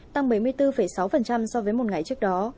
tăng bảy mươi bốn sáu so với một ngày trước đó